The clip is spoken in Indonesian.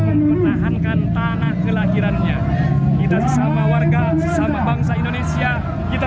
mempertahankan tanah kelahirannya kita sesama warga sesama bangsa indonesia kita